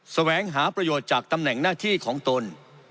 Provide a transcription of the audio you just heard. แสวงหาประโยชน์จากตำแหน่งหน้าที่ของตน